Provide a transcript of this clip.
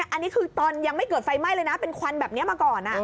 อันนี้คือตอนยังไม่เกิดไฟไหม้เลยนะเป็นควันแบบนี้มาก่อน